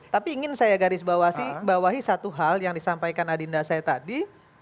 tapi ingin saya garis bawahi satu hal yang disampaikan adinda saya tadi